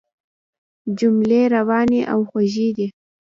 جملې روانې او خوږې دي.